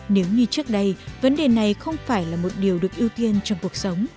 nếu như trước đây vấn đề này không phải là một điều được ưu tiên trong cuộc sống